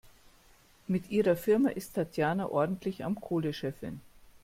Mit ihrer Firma ist Tatjana ordentlich am Kohle scheffeln.